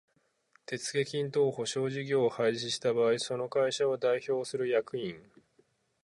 手付金等保証事業を廃止した場合その会社を代表する役員